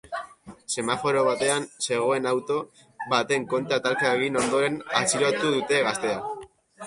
Semaforo batean zegoen auto baten kontra talka egin ondoren atxilotu dute gaztea.